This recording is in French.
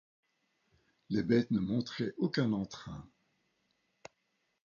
Les bêtes ne montraient aucun entrain.